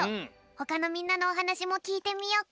ほかのみんなのおはなしもきいてみよっか。